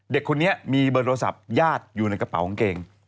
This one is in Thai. เด็กคนนี้มีเบอร์โทรศัพท์ญาติอยู่ในกระเป๋ากางเกง